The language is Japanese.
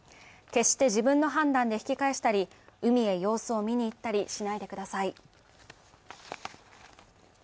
決して自分の判断で引き返したり、海へ様子を見に行ったりしないでください。